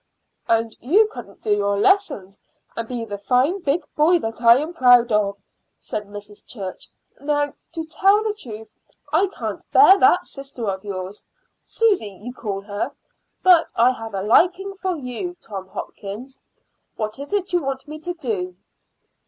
"And you couldn't do your lessons and be the fine big boy that I am proud of," said Mrs. Church. "Now, to tell the truth, I can't bear that sister of yours Susy, you call her but I have a liking for you, Tom Hopkins. What is it you want me to do?"